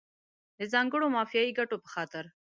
د ځانګړو مافیایي ګټو په خاطر.